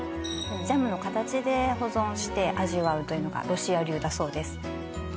ジャムの形で保存して味わうというのがロシア流だそうです